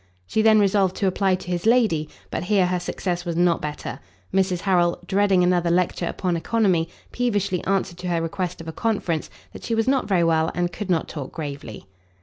She then resolved to apply to his lady; but here her success was not better: Mrs. Harrel, dreading another lecture upon economy, peevishly answered to her request of a conference, that she was not very well, and could not talk gravely.